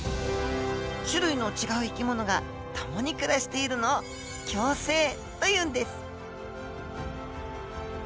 種類の違う生き物が共に暮らしているのを「共生」というんです。